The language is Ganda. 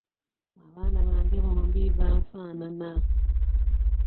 Abaana bange bombi banfaanana.